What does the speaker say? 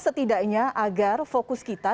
setidaknya agar fokus kita